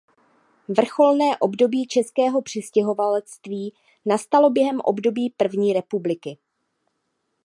Vrcholné období českého přistěhovalectví nastalo během období první republiky.